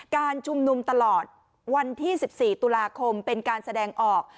การชุมนุมตลอดวันที่๑๔ตุลาคมเป็นการแสดงออก